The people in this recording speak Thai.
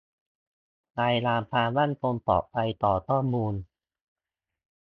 รายงานความมั่นคงปลอดภัยต่อข้อมูล